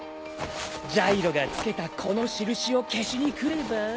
ジャイロが付けたこの印を消しに来れば。